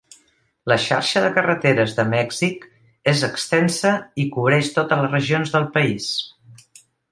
La xarxa de carreteres de Mèxic és extensa i cobreix totes les regions del país.